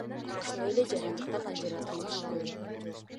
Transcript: Ошондой эле жарандыктан ажыратууну алалы.